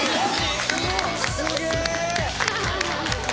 すげえ！